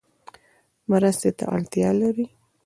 مرستې ته اړتیا لری؟